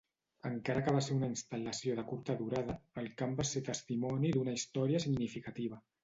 Encara que va ser una instal·lació de curta durada, el camp va ser testimoni d'una història significativa.